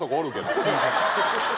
すみません。